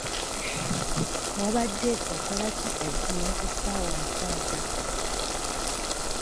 Wabadde okola ki eggulo ku ssaawa mukaaga?